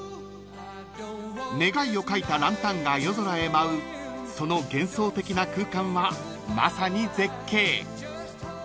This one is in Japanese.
［願いを書いたランタンが夜空へ舞うその幻想的な空間はまさに絶景］